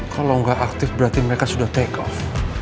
kalau nggak aktif berarti mereka sudah take off